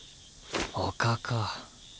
おかか。